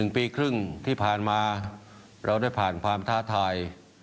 ๑ปีครึ่งที่ผ่านมาเราได้ผ่านความท้าทาย